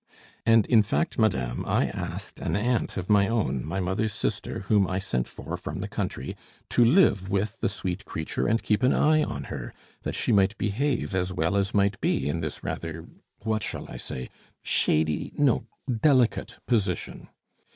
And in fact, madame, I asked an aunt of my own, my mother's sister, whom I sent for from the country, to live with the sweet creature and keep an eye on her, that she might behave as well as might be in this rather what shall I say shady? no, delicate position.